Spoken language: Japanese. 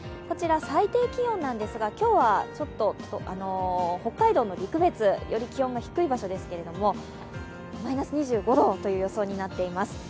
こちら、最低気温なんですが、今日は北海道の陸別、気温が低い場所ですが、マイナス２５度という予想になっています。